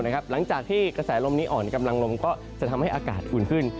หลังจากที่กระแสลมนี้อ่อนกำลังลงก็จะทำให้อากาศอุ่นขึ้น